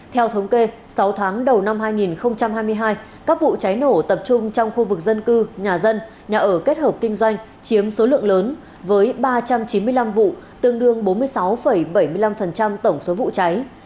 theo thống kê sáu tháng đầu năm hai nghìn hai mươi hai các vụ cháy nổ tập trung trong khu vực dân cư nhà dân nhà ở kết hợp kinh doanh chiếm số lượng lớn với ba trăm chín mươi năm vụ tương đương bốn mươi sáu bảy mươi năm tổng số vụ cháy